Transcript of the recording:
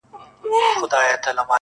زما په څېره كي، ښكلا خوره سي.